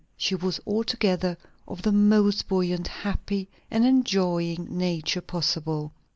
She was altogether of the most buoyant, happy, and enjoying nature possible.